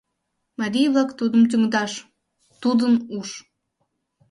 Марий-влакым тӱҥдаш Тудын уш